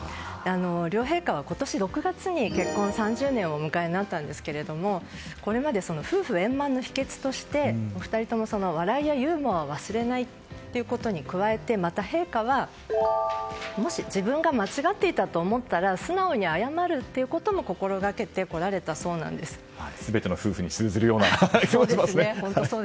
両陛下は今年６月に結婚３０年をお迎えになりましたがこれまで夫婦円満の秘訣としてお二人とも笑いやユーモアを忘れないことに加えてまた、陛下はもし自分が間違っていたと思ったら素直に謝ることも全ての夫婦に通じるような気がしますね。